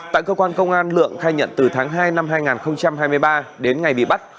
tại cơ quan công an lượng khai nhận từ tháng hai năm hai nghìn hai mươi ba đến ngày bị bắt